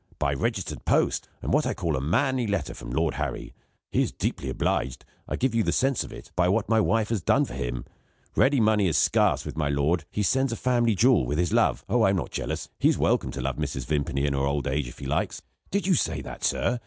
By registered post; and what I call a manly letter from Lord Harry. He is deeply obliged (I give you the sense of it) by what my wife has done for him; ready money is scarce with my lord; he sends a family jewel, with his love. Oh, I'm not jealous. He's welcome to love Mrs. Vimpany, in her old age, if he likes. Did you say that, sir?